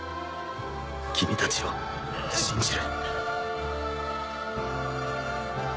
君たちを信じる。